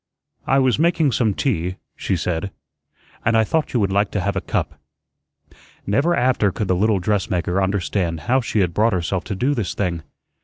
"I was making some tea," she said, "and I thought you would like to have a cup." Never after could the little dressmaker understand how she had brought herself to do this thing.